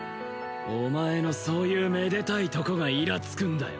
お前のそういうめでたいとこがイラつくんだよ